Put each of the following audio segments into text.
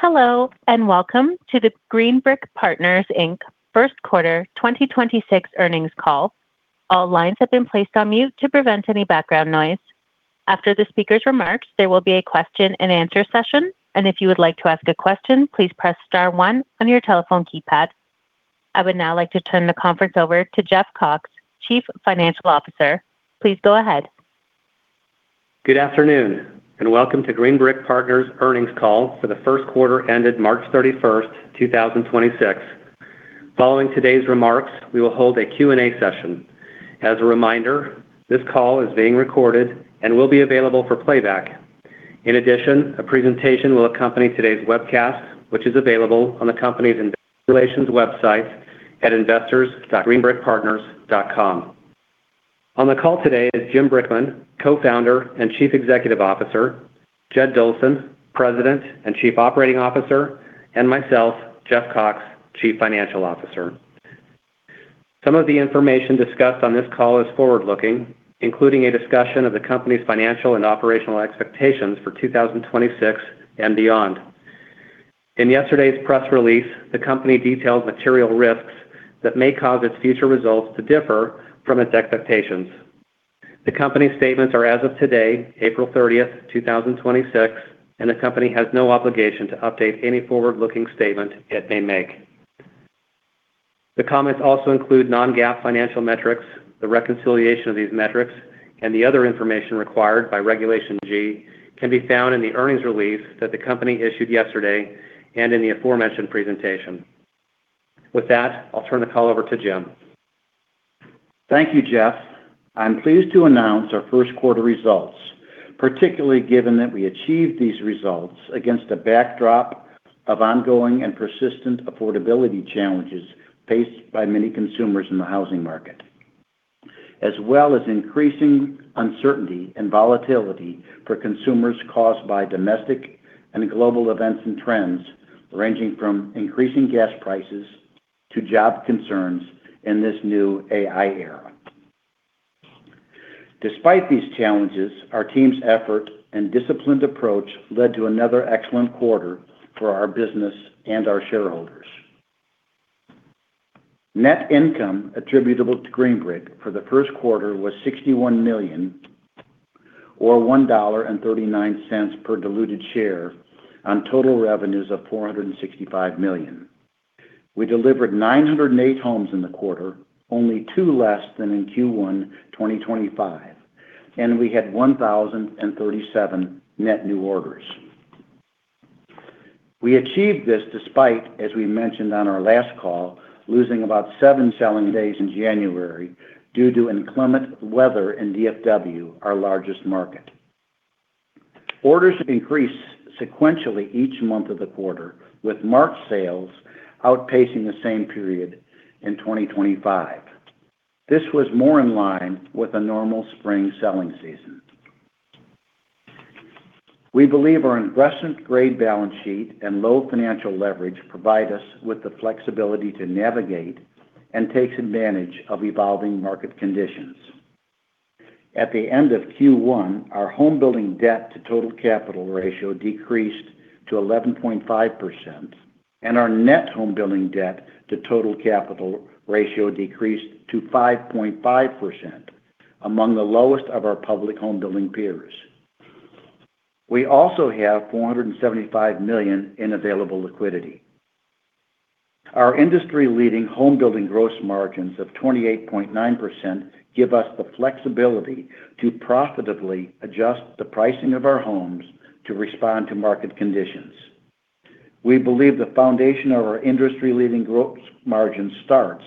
Hello, and welcome to the Green Brick Partners, Inc. first quarter 2026 earnings call. All lines have been placed on mute to prevent any background noise. After the speaker's remarks, there will be a question-and-answer session. If you would like to ask a question, please press star one on your telephone keypad. I would now like to turn the conference over to Jeff Cox, Chief Financial Officer. Please go ahead. Good afternoon and welcome to Green Brick Partners earnings call for the first quarter ended March 31st, 2026. Following today's remarks, we will hold a Q&A session. As a reminder, this call is being recorded and will be available for playback. In addition, a presentation will accompany today's webcast, which is available on the company's investor relations website at investors.greenbrickpartners.com. On the call today is Jim Brickman, Co-founder and Chief Executive Officer, Jed Dolson, President and Chief Operating Officer, and myself, Jeff Cox, Chief Financial Officer. Some of the information discussed on this call is forward-looking, including a discussion of the company's financial and operational expectations for 2026 and beyond. In yesterday's press release, the company detailed material risks that may cause its future results to differ from its expectations. The company's statements are as of today, April 30th, 2026, and the company has no obligation to update any forward-looking statement it may make. The comments also include non-GAAP financial metrics. The reconciliation of these metrics and the other information required by Regulation G can be found in the earnings release that the company issued yesterday and in the aforementioned presentation. With that, I'll turn the call over to Jim. Thank you, Jeff. I'm pleased to announce our first quarter results, particularly given that we achieved these results against a backdrop of ongoing and persistent affordability challenges faced by many consumers in the housing market. As well as increasing uncertainty and volatility for consumers caused by domestic and global events and trends ranging from increasing gas prices to job concerns in this new AI era. Despite these challenges, our team's effort and disciplined approach led to another excellent quarter for our business and our shareholders. Net income attributable to Green Brick for the first quarter was $61 million or $1.39 per diluted share on total revenues of $465 million. We delivered 908 homes in the quarter, only two less than in Q1 2025, and we had 1,037 net new orders. We achieved this despite, as we mentioned on our last call, losing about seven selling days in January due to inclement weather in DFW., our largest market. Orders increased sequentially each month of the quarter, with March sales outpacing the same period in 2025. This was more in line with a normal spring selling season. We believe our investment-grade balance sheet and low financial leverage provide us with the flexibility to navigate and takes advantage of evolving market conditions. At the end of Q1, our home building debt to total capital ratio decreased to 11.5%, and our net home building debt to total capital ratio decreased to 5.5%, among the lowest of our public home building peers. We also have $475 million in available liquidity. Our industry-leading home building gross margins of 28.9% give us the flexibility to profitably adjust the pricing of our homes to respond to market conditions. We believe the foundation of our industry-leading gross margin starts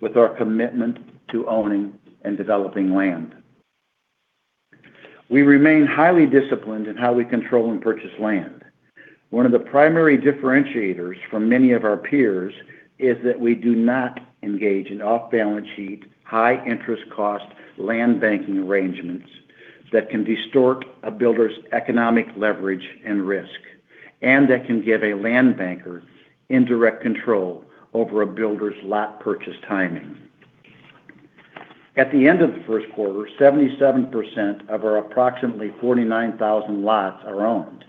with our commitment to owning and developing land. We remain highly disciplined in how we control and purchase land. One of the primary differentiators from many of our peers is that we do not engage in off-balance sheet, high interest cost land banking arrangements that can distort a builder's economic leverage and risk, and that can give a land banker indirect control over a builder's lot purchase timing. At the end of the first quarter, 77% of our approximately 49,000 lots are owned.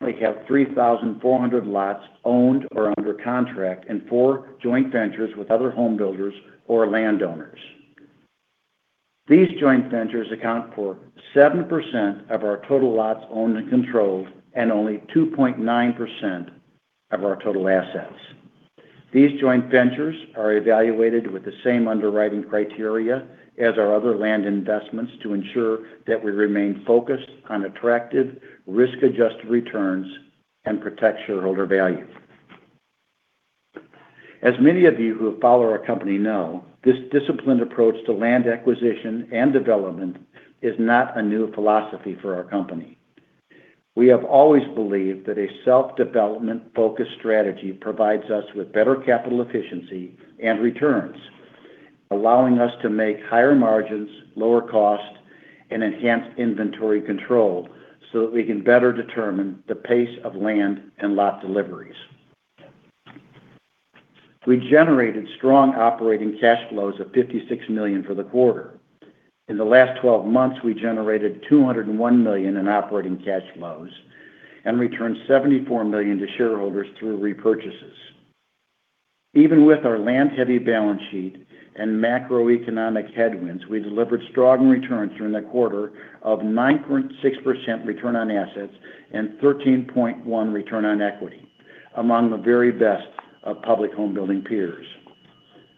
We have 3,400 lots owned or under contract and four joint ventures with other home builders or landowners. These joint ventures account for 7% of our total lots owned and controlled and only 2.9% of our total assets. These joint ventures are evaluated with the same underwriting criteria as our other land investments to ensure that we remain focused on attractive risk-adjusted returns and protect shareholder value. As many of you who follow our company know, this disciplined approach to land acquisition and development is not a new philosophy for our company. We have always believed that a self-development focused strategy provides us with better capital efficiency and returns, allowing us to make higher margins, lower cost, and enhance inventory control so that we can better determine the pace of land and lot deliveries. We generated strong operating cash flows of $56 million for the quarter. In the last 12 months, we generated $201 million in operating cash flows and returned $74 million to shareholders through repurchases. Even with our land-heavy balance sheet and macroeconomic headwinds, we delivered strong returns during the quarter of 9.6% return on assets and 13.1% return on equity, among the very best of public home building peers.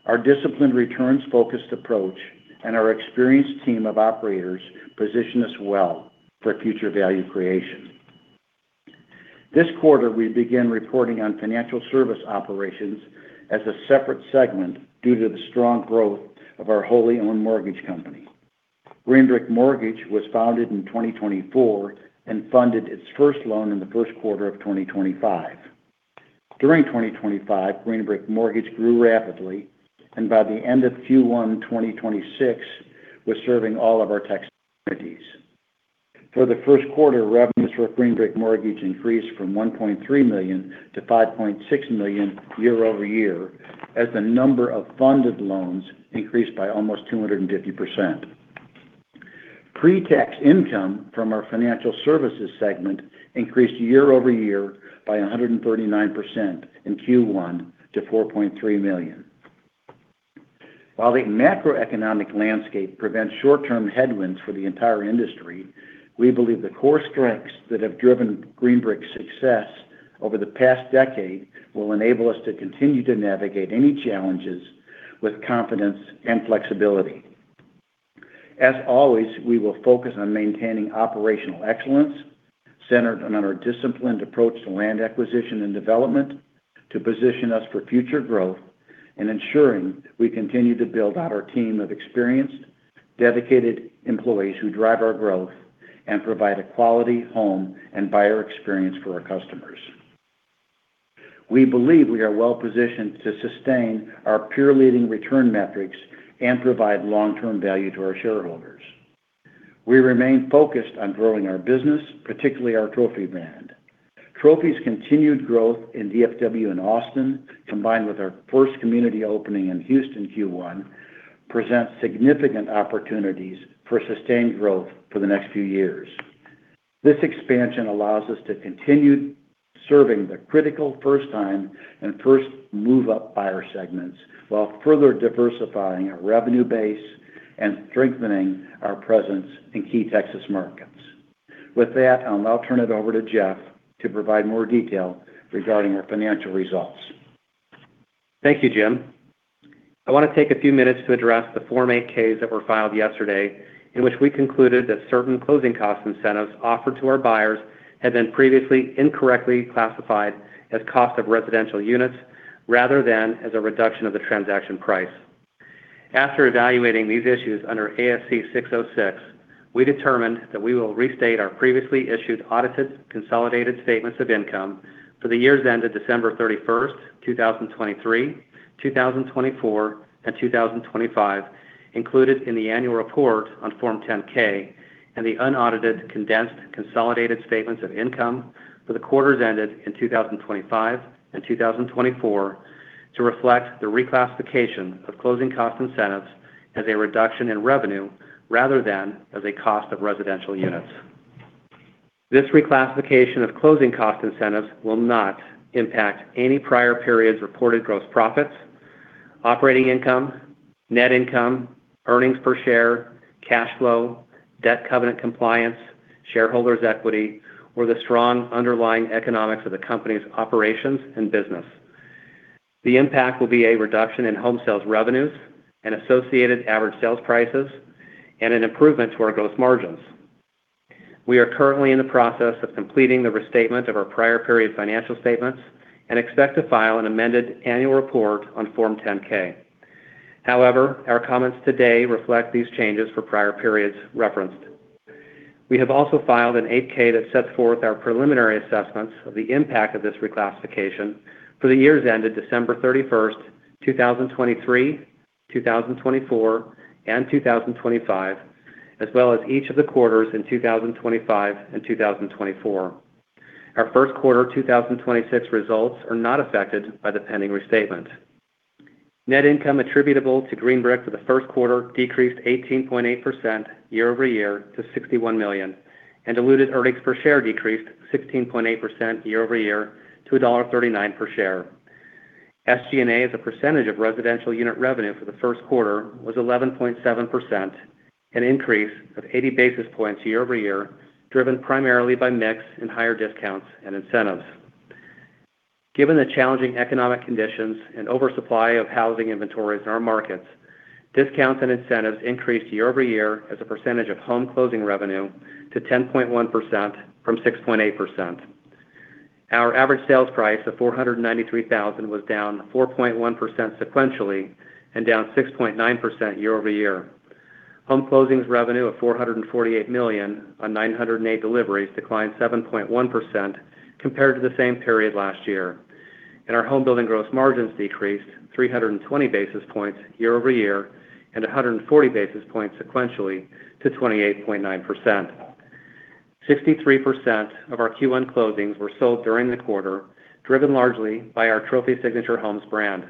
Our disciplined returns-focused approach and our experienced team of operators position us well for future value creation. This quarter, we began reporting on financial service operations as a separate segment due to the strong growth of our wholly owned mortgage company. Green Brick Mortgage was founded in 2024 and funded its first loan in the first quarter of 2025. During 2025, Green Brick Mortgage grew rapidly, and by the end of Q1 2026, was serving all of our Texas communities. For the first quarter, revenues for Green Brick Mortgage increased from $1.3 million to $5.6 million year-over-year as the number of funded loans increased by almost 250%. Pre-tax income from our financial services segment increased year-over-year by 139% in Q1 to $4.3 million. While the macroeconomic landscape presents short-term headwinds for the entire industry, we believe the core strengths that have driven Green Brick's success over the past decade will enable us to continue to navigate any challenges with confidence and flexibility. As always, we will focus on maintaining operational excellence centered on our disciplined approach to land acquisition and development to position us for future growth and ensuring we continue to build out our team of experienced, dedicated employees who drive our growth and provide a quality home and buyer experience for our customers. We believe we are well-positioned to sustain our peer-leading return metrics and provide long-term value to our shareholders. We remain focused on growing our business, particularly our Trophy brand. Trophy's continued growth in DFW and Austin, combined with our first community opening in Houston, Q1, presents significant opportunities for sustained growth for the next few years. This expansion allows us to continue serving the critical first time and first move up buyer segments while further diversifying our revenue base and strengthening our presence in key Texas markets. With that, I'll now turn it over to Jeff to provide more detail regarding our financial results. Thank you, Jim. I want to take a few minutes to address the Form 8-Ks that were filed yesterday in which we concluded that certain closing cost incentives offered to our buyers had been previously incorrectly classified as cost of residential units rather than as a reduction of the transaction price. After evaluating these issues under ASC 606, we determined that we will restate our previously issued audited consolidated statements of income for the years ended December 31st, 2023, 2024, and 2025 included in the annual report on Form 10-K and the unaudited condensed consolidated statements of income for the quarters ended in 2025 and 2024 to reflect the reclassification of closing cost incentives as a reduction in revenue rather than as a cost of residential units. This reclassification of closing cost incentives will not impact any prior periods reported gross profits, operating income, net income, earnings per share, cash flow, debt covenant compliance, shareholders' equity, or the strong underlying economics of the company's operations and business. The impact will be a reduction in home sales revenues and associated average sales prices and an improvement to our gross margins. We are currently in the process of completing the restatement of our prior period financial statements and expect to file an amended annual report on Form 10-K. However, our comments today reflect these changes for prior periods referenced. We have also filed an 8-K that sets forth our preliminary assessments of the impact of this reclassification for the years ended December 31st, 2023, 2024, and 2025, as well as each of the quarters in 2025 and 2024. Our first quarter 2026 results are not affected by the pending restatement. Net income attributable to Green Brick for the first quarter decreased 18.8% year-over-year to $61 million, and diluted earnings per share decreased 16.8% year-over-year to $1.39 per share. SG&A as a percentage of residential unit revenue for the first quarter was 11.7%, an increase of 80 basis points year-over-year, driven primarily by mix and higher discounts and incentives. Given the challenging economic conditions and oversupply of housing inventories in our markets, discounts and incentives increased year-over-year as a percentage of home closing revenue to 10.1% from 6.8%. Our average sales price of $493,000 was down 4.1% sequentially and down 6.9% year-over-year. Home closings revenue of $448 million on 908 deliveries declined 7.1% compared to the same period last year. Our homebuilding gross margins decreased 320 basis points year-over-year and 140 basis points sequentially to 28.9%. 63% of our Q1 closings were sold during the quarter, driven largely by our Trophy Signature Homes brand.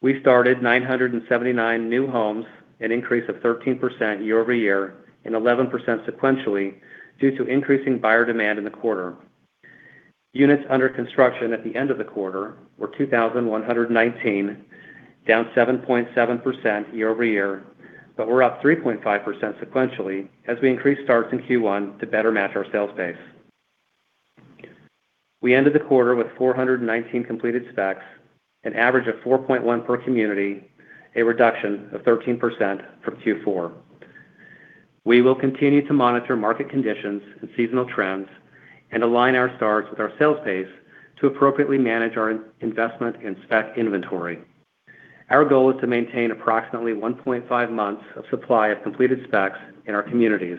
We started 979 new homes, an increase of 13% year-over-year and 11% sequentially due to increasing buyer demand in the quarter. Units under construction at the end of the quarter were 2,119, down 7.7% year-over-year, but were up 3.5% sequentially as we increased starts in Q1 to better match our sales pace. We ended the quarter with 419 completed specs, an average of 4.1 per community, a reduction of 13% from Q4. We will continue to monitor market conditions and seasonal trends and align our starts with our sales pace to appropriately manage our investment in spec inventory. Our goal is to maintain approximately 1.5 months of supply of completed specs in our communities.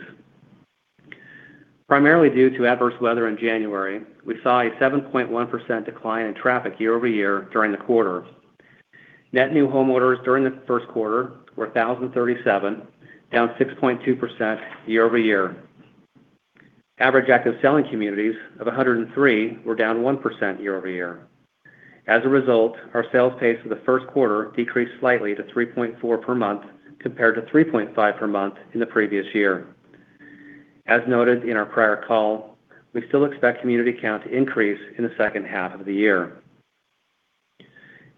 Primarily due to adverse weather in January, we saw a 7.1% decline in traffic year-over-year during the quarter. Net new homeowners during the first quarter were 1,037, down 6.2% year-over-year. Average active selling communities of 103 were down 1% year-over-year. As a result, our sales pace for the first quarter decreased slightly to 3.4 per month compared to 3.5 per month in the previous year. As noted in our prior call, we still expect community count to increase in the second half of the year.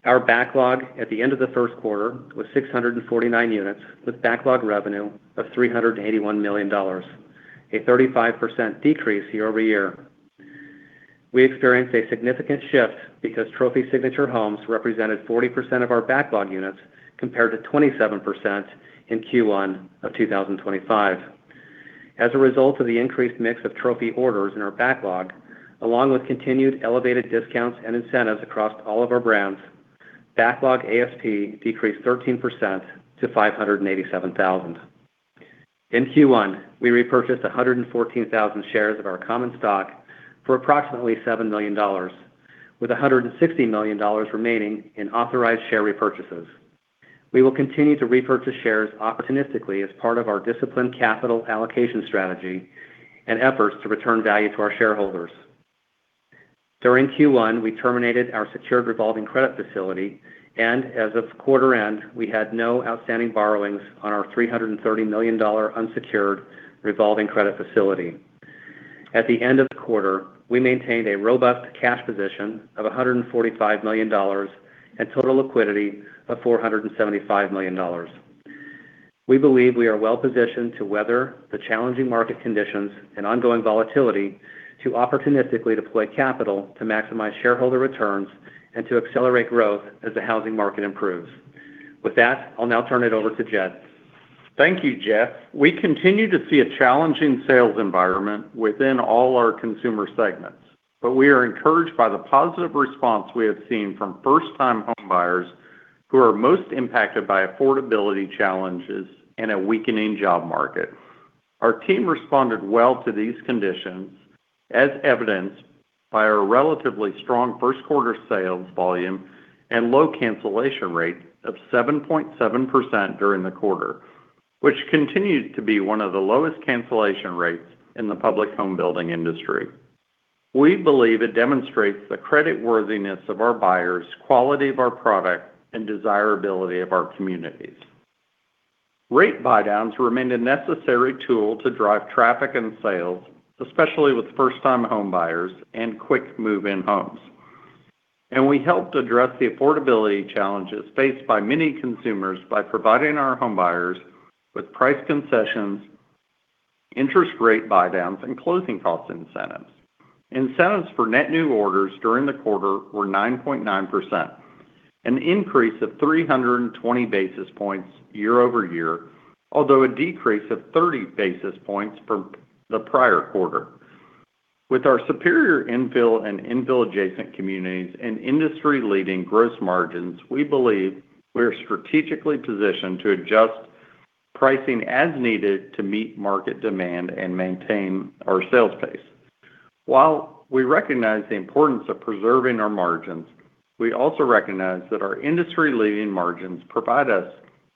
Our backlog at the end of the first quarter was 649 units with backlog revenue of $381 million, a 35% decrease year-over-year. We experienced a significant shift because Trophy Signature Homes represented 40% of our backlog units compared to 27% in Q1 of 2025. As a result of the increased mix of Trophy orders in our backlog, along with continued elevated discounts and incentives across all of our brands, backlog ASP decreased 13% to $587,000. In Q1, we repurchased 114,000 shares of our common stock for approximately $7 million with $160 million remaining in authorized share repurchases. We will continue to repurchase shares opportunistically as part of our disciplined capital allocation strategy and efforts to return value to our shareholders. During Q1, we terminated our secured revolving credit facility, and as of quarter end, we had no outstanding borrowings on our $330 million unsecured revolving credit facility. At the end of the quarter, we maintained a robust cash position of $145 million and total liquidity of $475 million. We believe we are well positioned to weather the challenging market conditions and ongoing volatility to opportunistically deploy capital to maximize shareholder returns and to accelerate growth as the housing market improves. With that, I'll now turn it over to Jed. Thank you, Jeff. We continue to see a challenging sales environment within all our consumer segments, but we are encouraged by the positive response we have seen from first-time homebuyers who are most impacted by affordability challenges and a weakening job market. Our team responded well to these conditions as evidenced by our relatively strong first quarter sales volume and low cancellation rate of 7.7% during the quarter, which continues to be one of the lowest cancellation rates in the public home building industry. We believe it demonstrates the creditworthiness of our buyers, quality of our product, and desirability of our communities. Rate buydowns remained a necessary tool to drive traffic and sales, especially with first-time homebuyers and quick move-in homes. We helped address the affordability challenges faced by many consumers by providing our homebuyers with price concessions, interest rate buydowns, and closing cost incentives. Incentives for net new orders during the quarter were 9.9%, an increase of 320 basis points year-over-year, although a decrease of 30 basis points from the prior quarter. With our superior infill and infill-adjacent communities and industry-leading gross margins, we believe we're strategically positioned to adjust pricing as needed to meet market demand and maintain our sales pace. While we recognize the importance of preserving our margins, we also recognize that our industry-leading margins provide us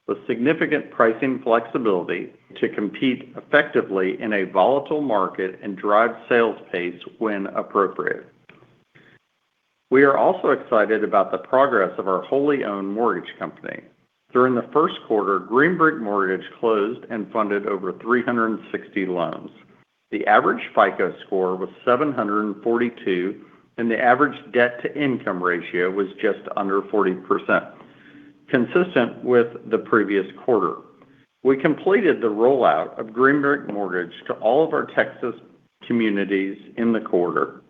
with significant pricing flexibility to compete effectively in a volatile market and drive sales pace when appropriate. We are also excited about the progress of our wholly owned mortgage company. During the first quarter, Green Brick Mortgage closed and funded over 360 loans. The average FICO score was 742, and the average debt-to-income ratio was just under 40%, consistent with the previous quarter. We completed the rollout of Green Brick Mortgage to all of our Texas communities in the quarter,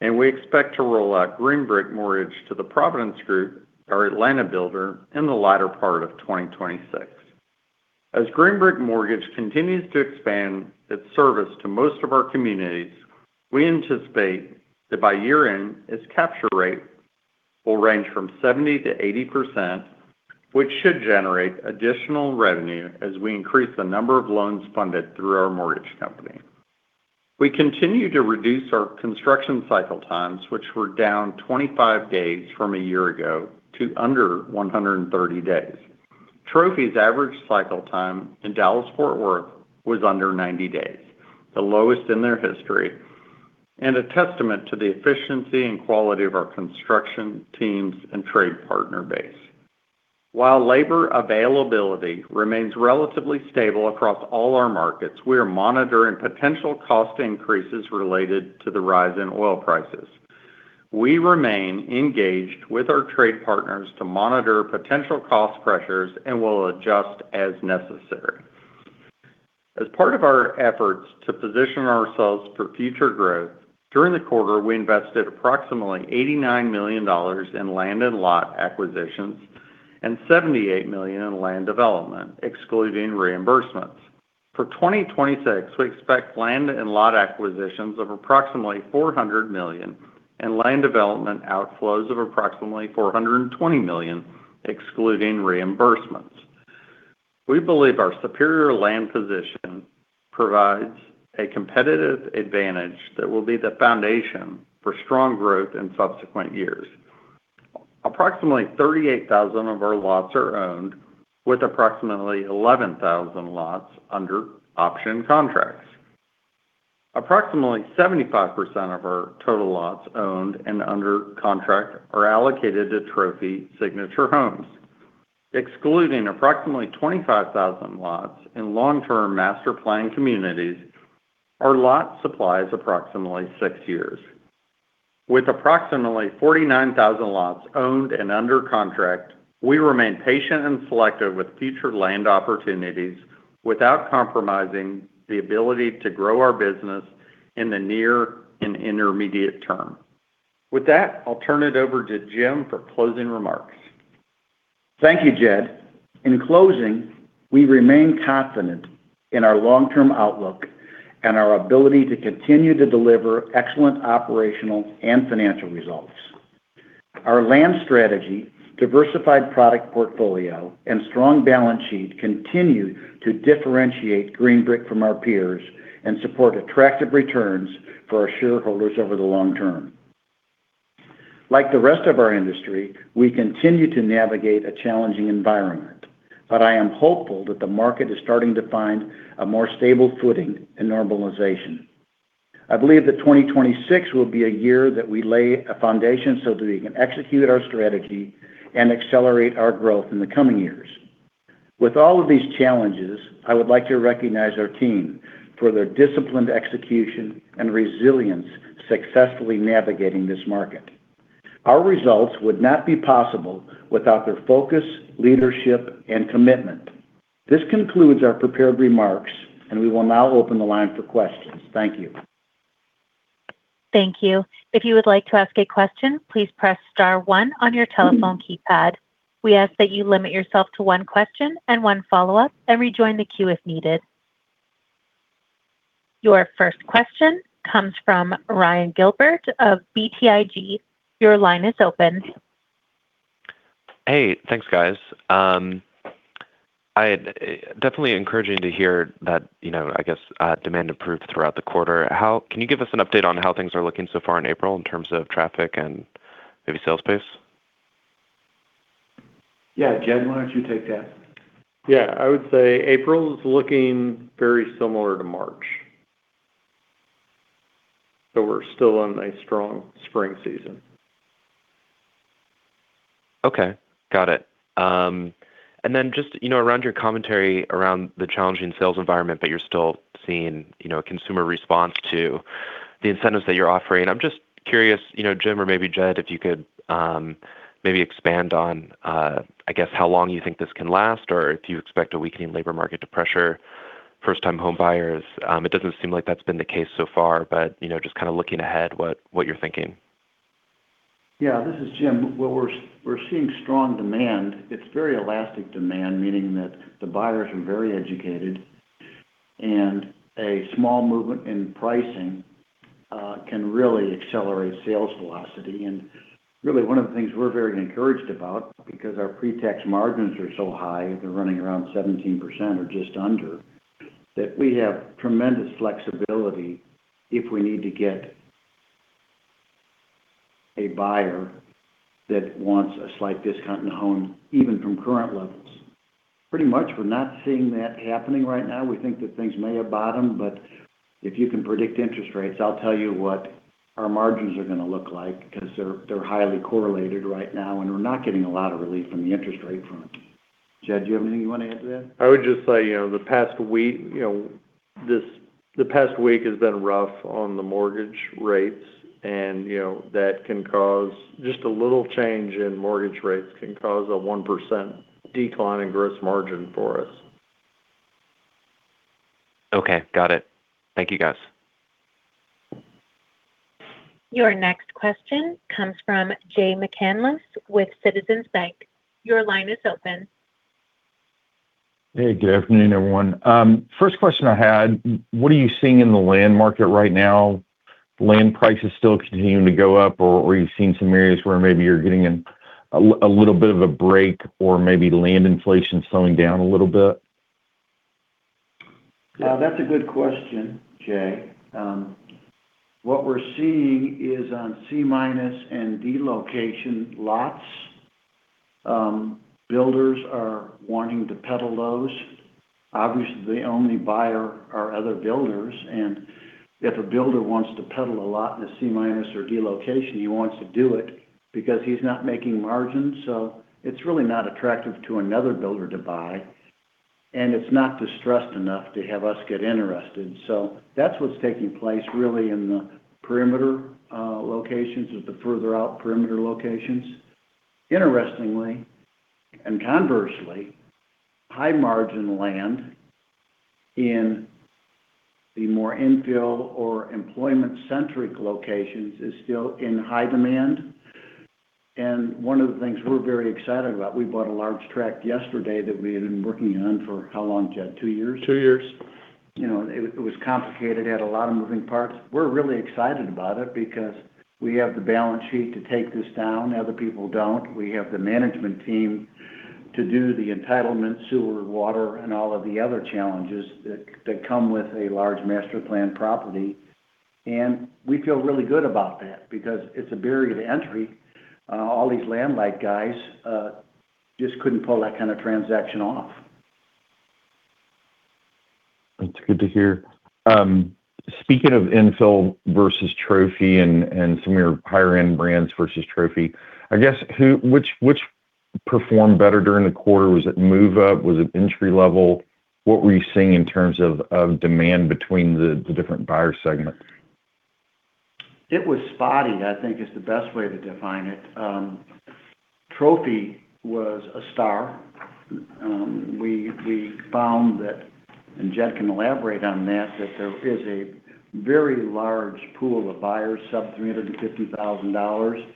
and we expect to roll out Green Brick Mortgage to The Providence Group, our Atlanta builder, in the latter part of 2026. As Green Brick Mortgage continues to expand its service to most of our communities, we anticipate that by year-end, its capture rate will range from 70%-80%, which should generate additional revenue as we increase the number of loans funded through our mortgage company. We continue to reduce our construction cycle times, which were down 25 days from a year ago to under 130 days. Trophy's average cycle time in Dallas-Fort Worth was under 90 days, the lowest in their history, and a testament to the efficiency and quality of our construction teams and trade partner base. Labor availability remains relatively stable across all our markets, we are monitoring potential cost increases related to the rise in oil prices. We remain engaged with our trade partners to monitor potential cost pressures and will adjust as necessary. As part of our efforts to position ourselves for future growth, during the quarter, we invested approximately $89 million in land and lot acquisitions and $78 million in land development, excluding reimbursements. For 2026, we expect land and lot acquisitions of approximately $400 million and land development outflows of approximately $420 million, excluding reimbursements. We believe our superior land position provides a competitive advantage that will be the foundation for strong growth in subsequent years. Approximately 38,000 of our lots are owned with approximately 11,000 lots under option contracts. Approximately 75% of our total lots owned and under contract are allocated to Trophy Signature Homes. Excluding approximately 25,000 lots in long-term master plan communities, our lot supply is approximately six years. With approximately 49,000 lots owned and under contract, we remain patient and selective with future land opportunities without compromising the ability to grow our business in the near and intermediate term. With that, I'll turn it over to Jim for closing remarks. Thank you, Jed. In closing, we remain confident in our long-term outlook and our ability to continue to deliver excellent operational and financial results. Our land strategy, diversified product portfolio, and strong balance sheet continue to differentiate Green Brick from our peers and support attractive returns for our shareholders over the long term. Like the rest of our industry, we continue to navigate a challenging environment, but I am hopeful that the market is starting to find a more stable footing and normalization. I believe that 2026 will be a year that we lay a foundation so that we can execute our strategy and accelerate our growth in the coming years. With all of these challenges, I would like to recognize our team for their disciplined execution and resilience successfully navigating this market. Our results would not be possible without their focus, leadership, and commitment. This concludes our prepared remarks, and we will now open the line for questions. Thank you. Thank you. If you would like to ask a question, please press star one on your telephone keypad. We ask that you limit yourself to one question and one follow-up, and rejoin the queue if needed. Your first question comes from Ryan Gilbert of BTIG. Your line is open. Hey, thanks, guys. Definitely encouraging to hear that, you know, I guess, demand improved throughout the quarter. Can you give us an update on how things are looking so far in April in terms of traffic and maybe sales pace? Yeah. Jed, why don't you take that? Yeah. I would say April's looking very similar to March. We're still in a strong spring season. Okay. Got it. Just, you know, around your commentary around the challenging sales environment that you're still seeing, you know, consumer response to the incentives that you're offering. I'm just curious, you know, Jim or maybe Jed, if you could, maybe expand on, I guess how long you think this can last or if you expect a weakening labor market to pressure first-time homebuyers. It doesn't seem like that's been the case so far, you know, just kind of looking ahead, what you're thinking. Yeah. This is Jim. Well, we're seeing strong demand. It's very elastic demand, meaning that the buyers are very educated and a small movement in pricing can really accelerate sales velocity. Really one of the things we're very encouraged about because our pre-tax margins are so high, they're running around 17% or just under, that we have tremendous flexibility if we need to get a buyer that wants a slight discount in the home, even from current levels. Pretty much we're not seeing that happening right now. We think that things may have bottomed, but if you can predict interest rates, I'll tell you what our margins are gonna look like because they're highly correlated right now, and we're not getting a lot of relief from the interest rate front. Jed, do you have anything you want to add to that? I would just say, you know, the past week, you know, the past week has been rough on the mortgage rates and, you know, just a little change in mortgage rates can cause a 1% decline in gross margin for us. Okay. Got it. Thank you, guys. Your next question comes from Jay McCanless with Citizens Bank. Your line is open. Hey, good afternoon, everyone. First question I had, what are you seeing in the land market right now? Land prices still continuing to go up or are you seeing some areas where maybe you're getting a little bit of a break or maybe land inflation slowing down a little bit? That's a good question, Jay. What we're seeing is on C-minus and D-location lots, builders are wanting to peddle those. Obviously, the only buyer are other builders, and if a builder wants to peddle a lot in a C-minus or D-location, he wants to do it because he's not making margin, so it's really not attractive to another builder to buy, and it's not distressed enough to have us get interested. That's what's taking place really in the perimeter locations or the further out perimeter locations. Interestingly, conversely, high margin land in the more infill or employment-centric locations is still in high demand. One of the things we're very excited about, we bought a large tract yesterday that we had been working on for how long, Jed, two years? Two years. You know, it was complicated, had a lot of moving parts. We're really excited about it because we have the balance sheet to take this down, other people don't. We have the management team to do the entitlement, sewer, water, and all of the other challenges that come with a large master plan property. We feel really good about that because it's a barrier to entry. All these land light guys just couldn't pull that kind of transaction off. That's good to hear. Speaking of infill versus trophy and some of your higher-end brands versus trophy, I guess who, which performed better during the quarter? Was it move-up? Was it entry-level? What were you seeing in terms of demand between the different buyer segments? It was spotty, I think is the best way to define it. Trophy was a star. We found that, and Jed can elaborate on that there is a very large pool of buyers sub-$350,000,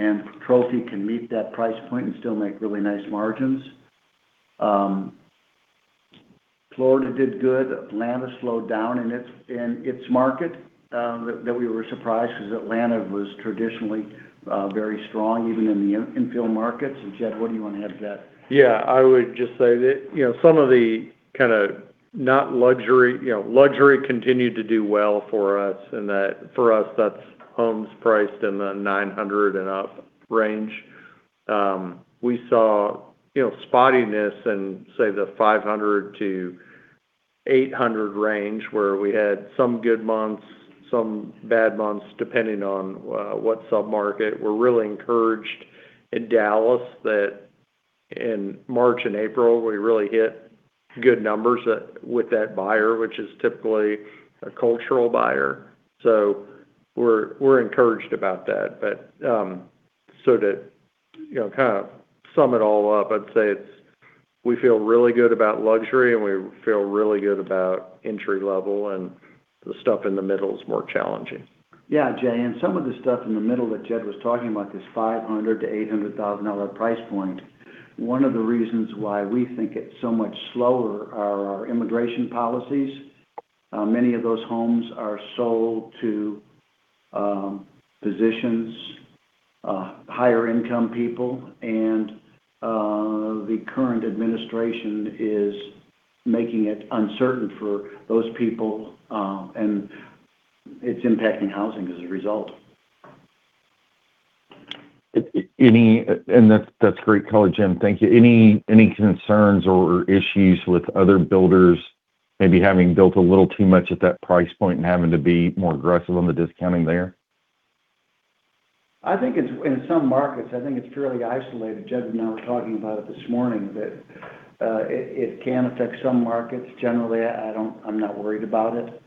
and Trophy can meet that price point and still make really nice margins. Florida did good. Atlanta slowed down in its market, that we were surprised 'cause Atlanta was traditionally very strong even in the infill markets. Jed, what do you want to add to that? Yeah. I would just say that. You know, luxury continued to do well for us in that for us, that's homes priced in the $900,000 And up range. We saw, you know, spottiness in, say, the $500,000-$800,000 range, where we had some good months, some bad months depending on what sub-market. We're really encouraged in Dallas that in March and April we really hit good numbers with that buyer, which is typically a cultural buyer. We're encouraged about that. To, you know, kind of sum it all up, I'd say it's, we feel really good about luxury, and we feel really good about entry-level, and the stuff in the middle is more challenging. Yeah, Jay. Some of the stuff in the middle that Jed was talking about, this $500,000-$800,000 price point, one of the reasons why we think it's so much slower are our immigration policies. Many of those homes are sold to physicians, higher income people, and the current administration is making it uncertain for those people, and it's impacting housing as a result. That's great color, Jim. Thank you. Any concerns or issues with other builders maybe having built a little too much at that price point and having to be more aggressive on the discounting there? I think it's, in some markets, I think it's fairly isolated. Jed and I were talking about it this morning that, it can affect some markets. Generally, I don't, I'm not worried about it.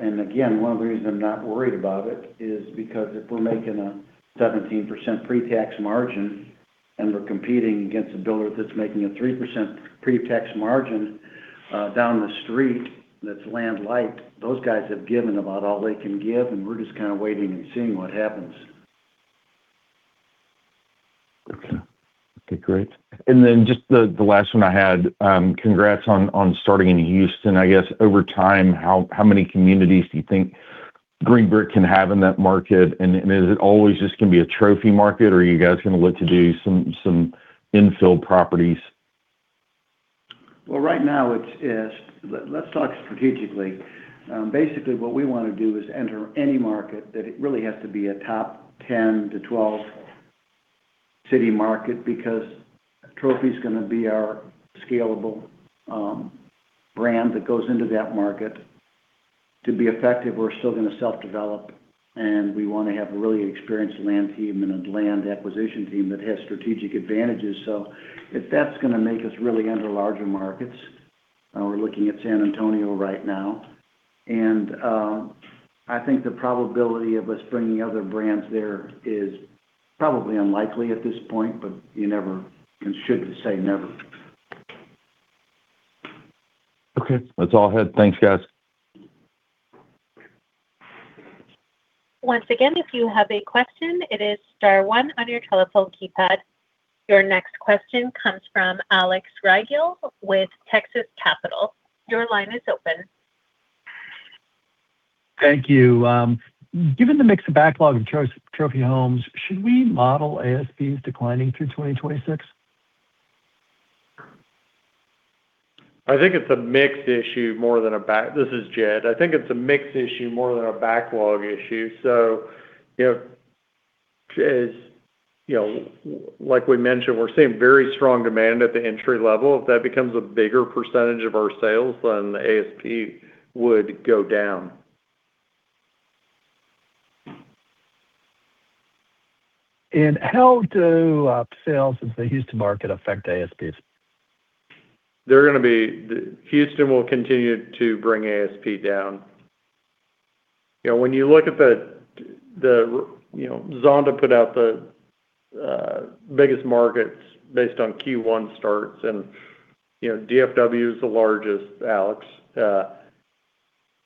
Again, one of the reasons I'm not worried about it is because if we're making a 17% pre-tax margin and we're competing against a builder that's making a 3% pre-tax margin, down the street that's land light, those guys have given about all they can give, and we're just kind of waiting and seeing what happens. Okay. Okay, great. Just the last one I had, congrats on starting in Houston. I guess over time, how many communities do you think Green Brick can have in that market, and is it always just gonna be a Trophy market, or are you guys gonna look to do some infill properties? Well, right now it's. Let's talk strategically. Basically what we wanna do is enter any market that it really has to be a top 10 to 12 city market because Trophy's gonna be our scalable brand that goes into that market. To be effective, we're still gonna self-develop, and we wanna have a really experienced land team and a land acquisition team that has strategic advantages. If that's gonna make us really enter larger markets, we're looking at San Antonio right now, and I think the probability of us bringing other brands there is probably unlikely at this point, but you never can, should say never. Okay. That's all I had. Thanks, guys. Once again, if you have a question, it is star one on your telephone keypad. Your next question comes from Alex Rygiel with Texas Capital. Your line is open Thank you. Given the mix of backlog in Trophy homes, should we model ASPs declining through 2026? This is Jed. I think it's a mix issue more than a backlog issue. You know, as, you know, like we mentioned, we're seeing very strong demand at the entry level. If that becomes a bigger percentage of our sales, then the ASP would go down. How do sales in the Houston market affect ASPs? Houston will continue to bring ASP down. When you look at Zonda put out the biggest markets based on Q1 starts, DFW is the largest, Alex,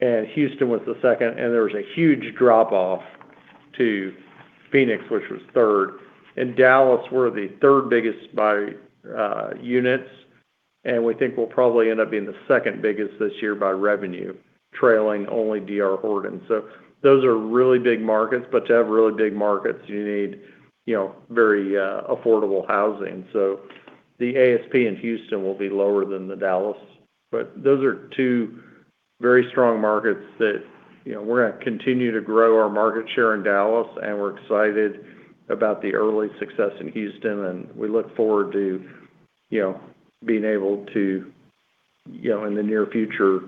and Houston was the second, and there was a huge drop-off to Phoenix, which was third. In Dallas, we're the third biggest by units, and we think we'll probably end up being the second biggest this year by revenue, trailing only D.R. Horton. Those are really big markets, but to have really big markets, you need very affordable housing. The ASP in Houston will be lower than the Dallas. Those are two very strong markets that, you know, we're gonna continue to grow our market share in Dallas, and we're excited about the early success in Houston, and we look forward to, you know, being able to, you know, in the near future,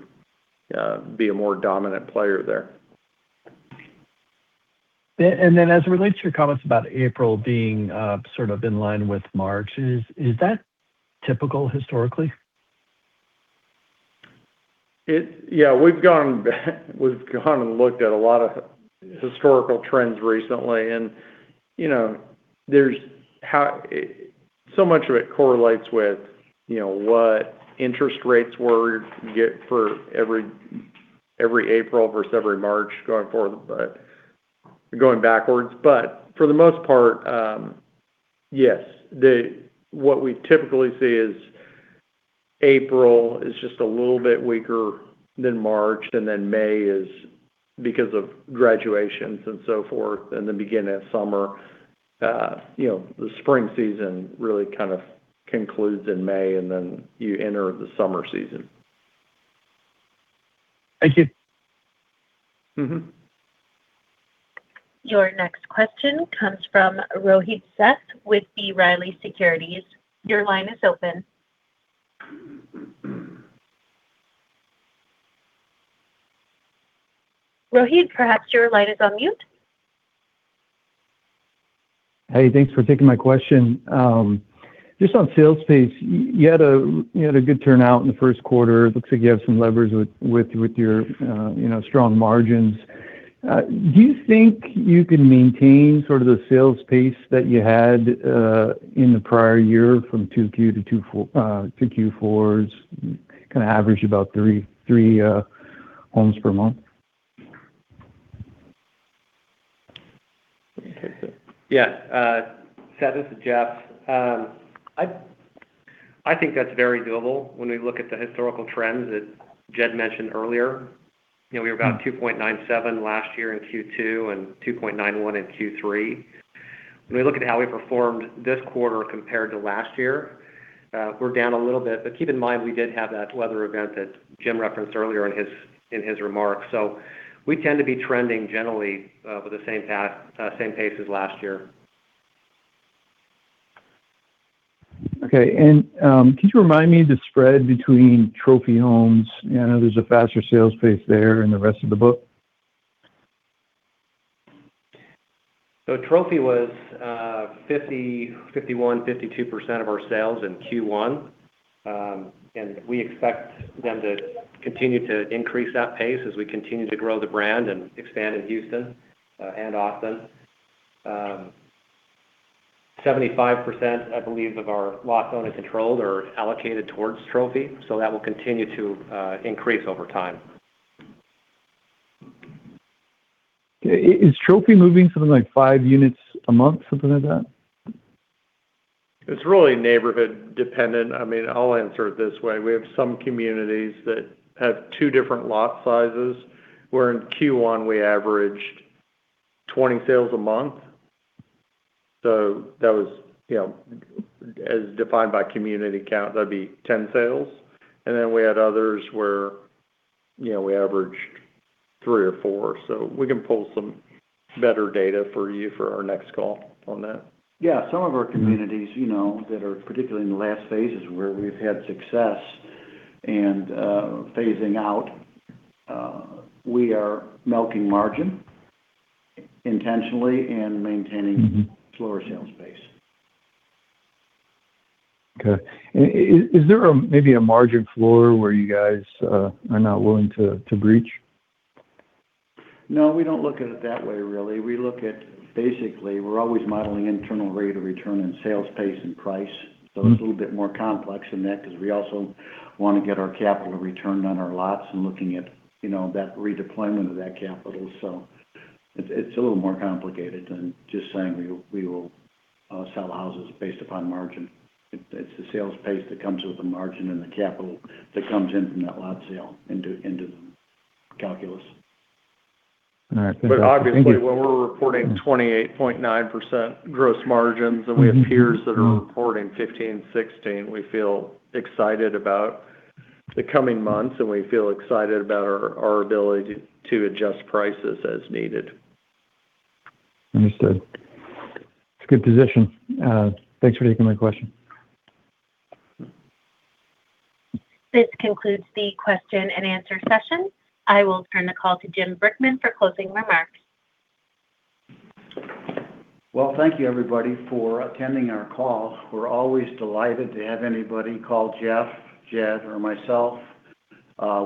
be a more dominant player there. As it relates to your comments about April being sort of in line with March, is that typical historically? Yeah, we've gone back. We've gone and looked at a lot of historical trends recently, and, you know, so much of it correlates with, you know, what interest rates were you get for every April versus every March going forward, but going backwards. For the most part, yes, what we typically see is April is just a little bit weaker than March, and then May is because of graduations and so forth, and the beginning of summer. You know, the spring season really kind of concludes in May, and then you enter the summer season. Thank you. Mm-hmm. Your next question comes from Rohit Seth with B. Riley Securities. Your line is open. Rohit, perhaps your line is on mute. Hey, thanks for taking my question. Just on sales pace, you had a good turnout in the first quarter. It looks like you have some levers with your, you know, strong margins. Do you think you can maintain sort of the sales pace that you had in the prior year from 2Q to two to Q4's kinda average about three homes per month? Yeah. Seth, this is Jeff. I think that's very doable when we look at the historical trends that Jed mentioned earlier. You know, we were about 2.97 last year in Q2 and 2.91 in Q3. When we look at how we performed this quarter compared to last year, we're down a little bit. Keep in mind, we did have that weather event that Jim referenced earlier in his remarks. We tend to be trending generally with the same pace as last year. Okay. Could you remind me the spread between Trophy homes? I know there's a faster sales pace there in the rest of the book. Trophy was 50%, 51%, 52% of our sales in Q1. We expect them to continue to increase that pace as we continue to grow the brand and expand in Houston and Austin. 75%, I believe, of our lots owned is controlled or allocated towards Trophy, so that will continue to increase over time. Is Trophy moving something like five units a month, something like that? It's really neighborhood dependent. I mean, I'll answer it this way. We have some communities that have two different lot sizes, where in Q1 we averaged 20 sales a month. That was, you know, as defined by community count, that'd be 10 sales. Then we had others where, you know, we averaged three or four. We can pull some better data for you for our next call on that. Yeah, some of our communities, you know, that are particularly in the last phases where we've had success and phasing out, we are milking margin intentionally and maintaining slower sales pace. Okay. Is there a margin floor where you guys are not willing to breach? No, we don't look at it that way, really. We look at basically, we're always modeling internal rate of return in sales pace and price. It's a little bit more complex than that because we also want to get our capital returned on our lots and looking at, you know, that redeployment of that capital. It's a little more complicated than just saying we will sell houses based upon margin. It's the sales pace that comes with the margin and the capital that comes in from that lot sale into the calculus. All right. Thank you. Obviously, when we're reporting 28.9% gross margins and we have peers that are reporting 15, 16, we feel excited about the coming months, and we feel excited about our ability to adjust prices as needed. Understood. It's a good position. Thanks for taking my question. This concludes the question and answer session. I will turn the call to Jim Brickman for closing remarks. Well, thank you everybody for attending our call. We're always delighted to have anybody call Jeff, Jed, or myself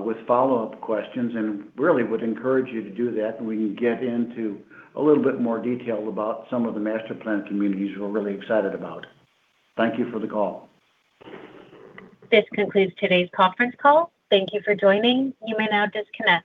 with follow-up questions, and really would encourage you to do that, and we can get into a little bit more detail about some of the master plan communities we're really excited about. Thank you for the call. This concludes today's conference call. Thank you for joining. You may now disconnect.